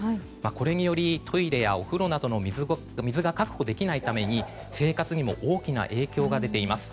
これによりトイレやお風呂などの水が確保できないために生活にも大きな影響が出ています。